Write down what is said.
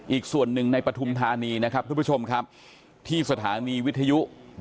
อีกส่วนหนึ่งในปฐุมธานีนะครับทุกผู้ชมครับที่สถานีวิทยุ